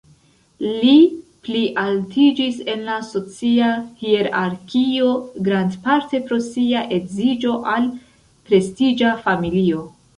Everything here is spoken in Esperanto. Li plialtiĝis en la socia hierarkio grandparte pro sia edziĝo al prestiĝa familio.